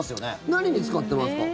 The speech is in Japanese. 何に使ってますか？